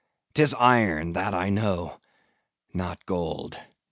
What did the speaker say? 'Tis iron—that I know—not gold.